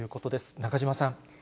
中島さん。